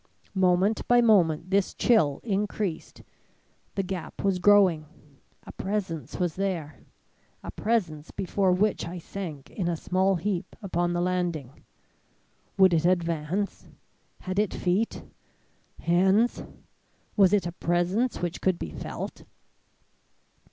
Moment by moment this chill increased; the gap was growing a presence was there a presence before which I sank in a small heap upon the landing. Would it advance? Had it feet hands? Was it a presence which could be felt?